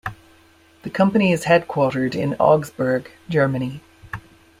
The company is headquartered in Augsburg, Germany.